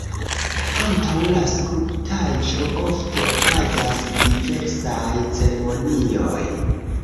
Antaŭ la skulptaĵo ofte okazas diversaj ceremonioj.